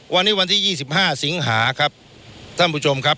วันนี้วันที่๒๕สิงหาครับท่านผู้ชมครับ